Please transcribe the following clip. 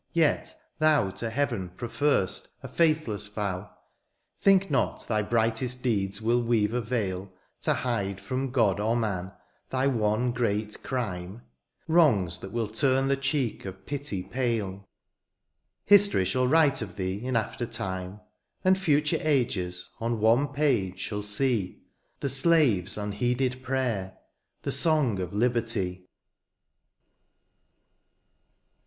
Yet thou to heaven prefer'st a faithless vow ; Think not thy brightest deeds will weave a veil To hide from God or mau thy one great crime ; Wrongs that will turn the cheek of pity pale. History shall write of thee in after time ; And future ages on one page shall see The slaveys unheeded prayer, — the song of liberty